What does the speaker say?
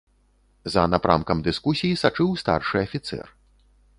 За напрамкам дыскусій сачыў старшы афіцэр.